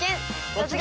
「突撃！